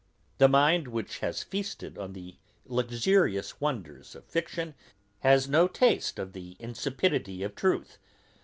The mind, which has feasted on the luxurious wonders of fiction, has no taste of the insipidity of truth.